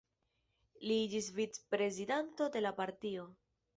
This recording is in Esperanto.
Li iĝis vicprezidanto de la partio.